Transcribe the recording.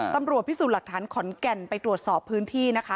ตำรวจพิสูจน์หลักฐานขอนแก่นไปตรวจสอบพื้นที่นะคะ